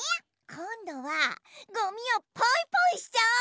こんどはごみをポイポイしちゃおう！